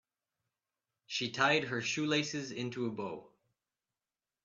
She tied her shoelaces into a bow.